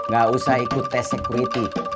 gak usah ikut tes security